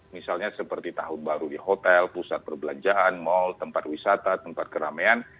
misalnya seperti tahun baru di hotel pusat perbelanjaan mal tempat wisata tempat keramaian